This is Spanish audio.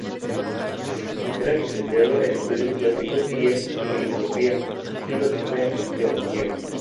Era licenciado en Estudios clásicos y en Filosofía, y doctor en Teología.